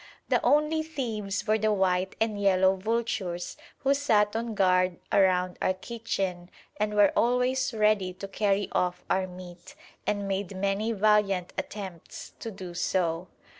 The only thieves were the white and yellow vultures who sat on guard around our kitchen and were always ready to carry off our meat, and made many valiant attempts to do so.